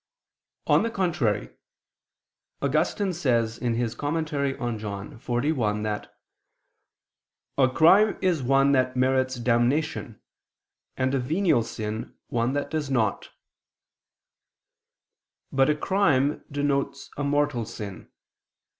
On the contrary, Augustine says (Tract. xli in Joan.), that "a crime is one that merits damnation, and a venial sin, one that does not." But a crime denotes a mortal sin.